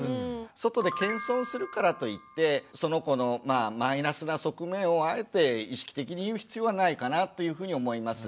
外で謙遜するからといってその子のマイナスな側面をあえて意識的に言う必要はないかなというふうに思います。